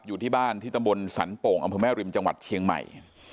อยู่ที่บ้านที่ตำบลสันโป่งอำเภอแม่ริมจังหวัดเชียงใหม่